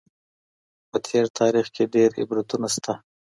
په تېر تاریخ کي ډېر عبرتونه سته.